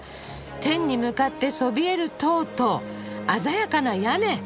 天に向かってそびえる塔と鮮やかな屋根！